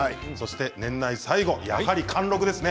年内最後やはり貫禄ですね